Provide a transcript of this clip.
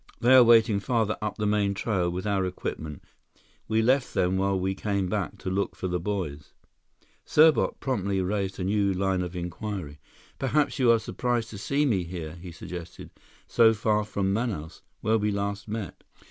"They are waiting farther up the main trail, with our equipment. We left them while we came back to look for the boys." Serbot promptly raised a new line of inquiry. "Perhaps you are surprised to see me here," he suggested, "So far from Manaus, where we last met."